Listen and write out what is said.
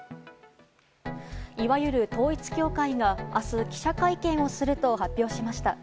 いわゆる統一教会が明日、記者会見をすると発表しました。